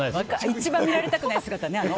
一番見られたくない姿ね。